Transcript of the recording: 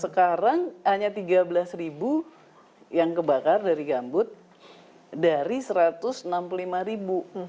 sekarang hanya tiga belas ribu yang kebakar dari gambut dari satu ratus enam puluh lima ribu